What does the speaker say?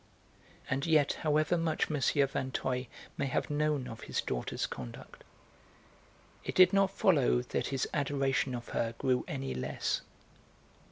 And yet however much M. Vinteuil may have known of his daughter's conduct it did not follow that his adoration of her grew any less.